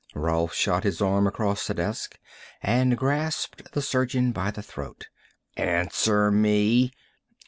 Rolf shot his arm across the desk and grasped the surgeon by the throat. "Answer me!"